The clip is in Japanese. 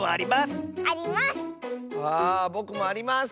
あぼくもあります！